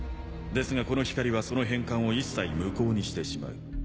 ですがこの光はその変換を一切無効にしてしまう。